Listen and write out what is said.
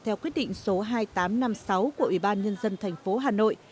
theo quyết định số hai nghìn tám trăm năm mươi sáu của ủy ban nhân dân thành phố hà nội